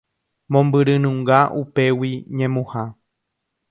Mombyrynunga upégui ñemuha.